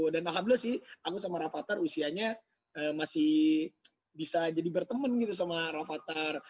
dan alhamdulillah sih aku sama rafathar usianya masih bisa jadi berteman gitu sama rafathar